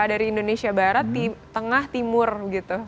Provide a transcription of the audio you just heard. dari indonesia barat tengah timur gitu